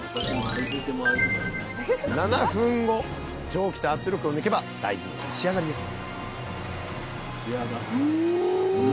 蒸気と圧力を抜けば大豆の蒸し上がりです